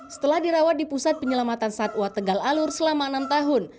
setelah dirawat di pusat penyelamatan satwa tegal alur selama enam tahun